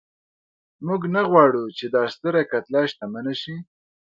موږ نه غواړو چې دا ستره کتله شتمنه شي.